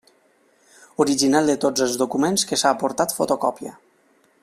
Original de tots els documents que s'ha aportat fotocopia.